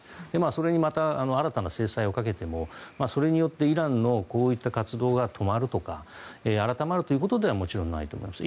それに新たな制裁をかけてもそれによってイランのこういった活動が止まるとか改まるということではもちろんないと思います。